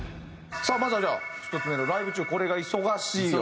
まずはじゃあ１つ目の「ライブ中これが忙しい！！」を。